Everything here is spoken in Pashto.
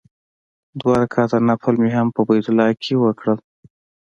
دوه رکعاته نفل مې هم په بیت الله کې وکړ.